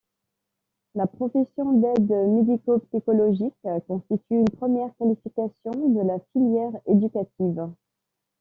La profession d’aide médico-psychologique constitue une première qualification de la filière éducative.